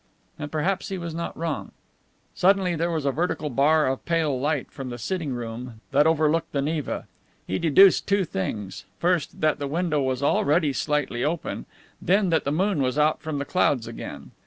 And perhaps he was not wrong. Suddenly there was a vertical bar of pale light from the sitting room that overlooked the Neva. He deduced two things: first, that the window was already slightly open, then that the moon was out from the clouds again.